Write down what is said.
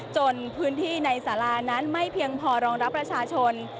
จนพื้นที่ในสารานั้นไม่เพียงพอรองรับประชาชน